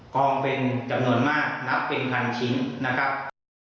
กองเป็นจำนวนมากนับเป็นพันชิ้นนะครับ